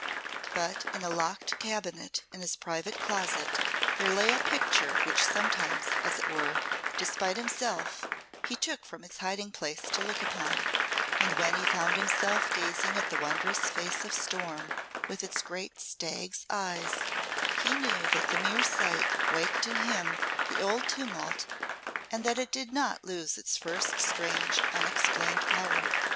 But in a locked cabinet in his private closet there lay a picture which sometimes, as it were, despite himself, he took from its hiding place to look upon; and when he found himself gazing at the wondrous face of storm, with its great stag's eyes, he knew that the mere sight waked in him the old tumult and that it did not lose its first strange, unexplained power.